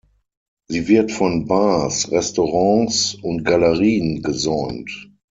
Sie wird von Bars, Restaurants und Galerien gesäumt.